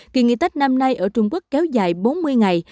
kỳ nghỉ tết năm nay ở trung quốc kéo dài bốn mươi ngày